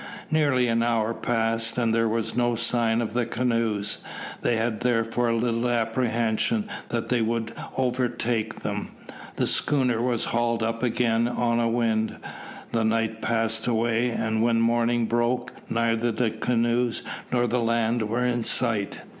Nearly an hour passed, and there were no signs of the canoes. They had therefore little apprehension that they would overtake them. The schooner was hauled up again on a wind. The night passed away, and when morning broke neither the canoes nor the land were in sight.